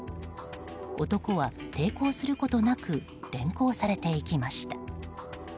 男は抵抗することなく連行されていきました。